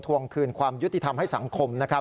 ทวงคืนความยุติทำให้สังคม